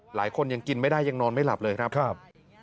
หลายคนยังกินไม่ได้ยังนอนไม่หลับเลยครับ